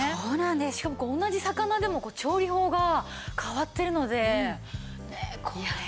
しかも同じ魚でも調理法が変わってるのでこれは。